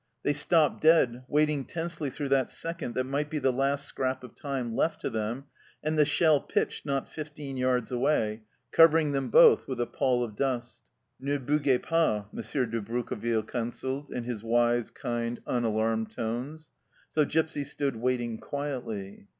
They stopped dead, waiting tensely through that second that might be the last scrap of time left to them, and the shell pitched not fifteen yards away, cover ing them both with a pall of dust. " Ne bougez pas," M. de Broqueville counselled, in his wise, kind, unalarmed tones. So Gipsy stood waiting quietly.